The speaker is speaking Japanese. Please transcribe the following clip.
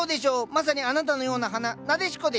まさにあなたのような花ナデシコです。